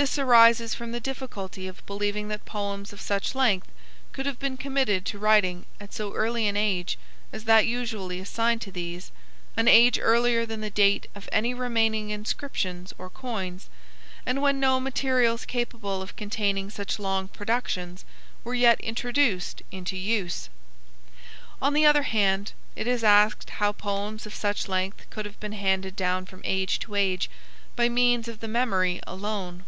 This arises from the difficulty of believing that poems of such length could have been committed to writing at so early an age as that usually assigned to these, an age earlier than the date of any remaining inscriptions or coins, and when no materials capable of containing such long productions were yet introduced into use. On the other hand it is asked how poems of such length could have been handed down from age to age by means of the memory alone.